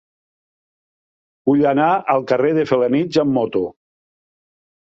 Vull anar al carrer de Felanitx amb moto.